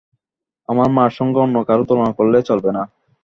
আমার মার সঙ্গে অন্য-কারো তুলনা করলে চলবে না।